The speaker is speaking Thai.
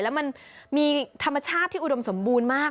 แล้วมันมีธรรมชาติที่อุดมสมบูรณ์มาก